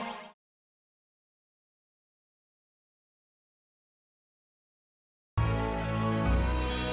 ntar ya cuk